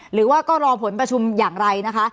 หรือว่าก็รอผลประชุมอย่างไรนะคะ